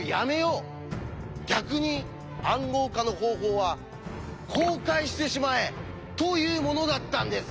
逆に「暗号化の方法」は公開してしまえ！というものだったんです。